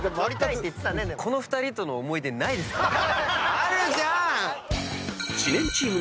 あるじゃん！